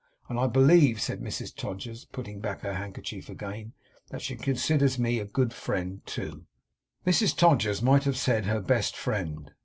And, I believe,' said Mrs Todgers, putting back her handkerchief again, 'that she considers me a good friend too.' Mrs Todgers might have said her best friend.